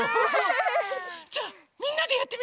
じゃみんなでやってみる？